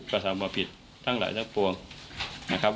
จากนั้นก็จะนำมาพักไว้ที่ห้องพลาสติกไปวางเอาไว้ตามจุดนัดต่าง